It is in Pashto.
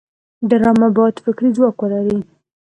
ډرامه باید فکري ځواک ولري